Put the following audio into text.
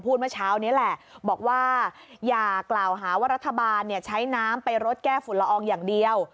เมื่อเช้านี้แหละบอกว่าอย่ากล่าวหาว่ารัฐบาลใช้น้ำไปรดแก้ฝุ่นละอองอย่างเดียว